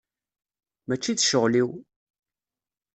Mačči d ccɣel-iw!